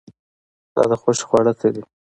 ستا د خوښې خواړه څه دي؟